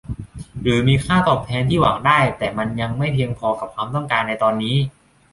หรือมีค่าตอบแทนที่หวังได้แต่มันยังไม่เพียงพอกับความต้องการในตอนนี้